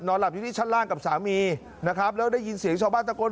หลับอยู่ที่ชั้นล่างกับสามีนะครับแล้วได้ยินเสียงชาวบ้านตะโกน